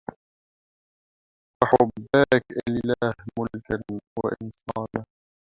وحباك الإله ملكا وإنصالا